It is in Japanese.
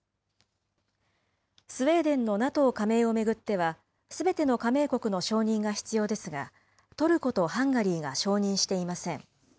スウェーデンのＮＡＴＯ加盟を巡ってはすべての加盟国の承認が必要ですが、トルコとハンガリーが承認していません。